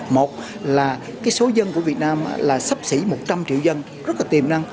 một là số dân của việt nam là sắp xỉ một trăm linh triệu dân rất là tiềm năng